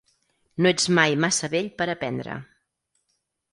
No ets mai massa vell per aprendre.